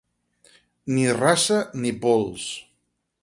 Ni raça ni pols.